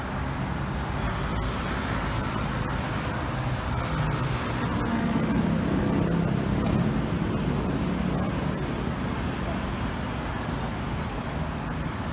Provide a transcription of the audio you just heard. โปรดติดตามตอนต่อไป